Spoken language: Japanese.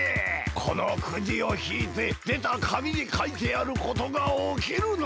このくじをひいてでたかみにかいてあることがおきるのじゃ！